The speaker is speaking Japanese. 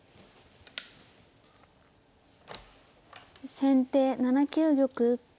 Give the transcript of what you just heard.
先手７九玉。